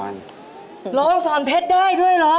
ร้องสอนเพชรได้ด้วยเหรอ